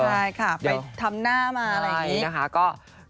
ใช่ค่ะไปทำหน้ามาอะไรอย่างนี้นะคะ